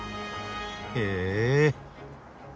へえ。